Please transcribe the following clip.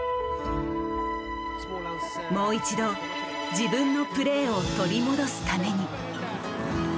もう一度自分のプレーを取り戻すために。